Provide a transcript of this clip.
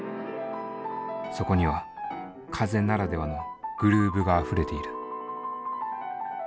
そこには風ならではのグルーヴがあふれている。